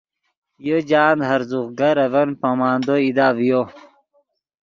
یو جاہند ہرزوغ گر اڤن پامندو ایدا ڤیو